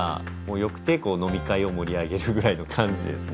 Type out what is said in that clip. よくて飲み会を盛り上げるぐらいの感じでですね。